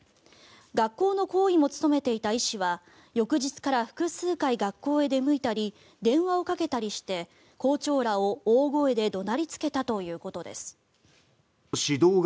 学校の校医も務めていた医師は翌日から複数回学校に出向いたり電話をかけたりして校長らを大声で怒鳴りつけたということです。